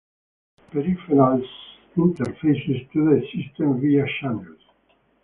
Peripherals interfaced to the system via "channels".